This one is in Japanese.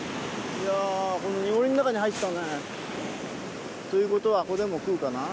いやこの濁りの中に入ったねということはここでも食うかな？